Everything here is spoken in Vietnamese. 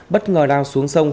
bất ngờ đào xuống sông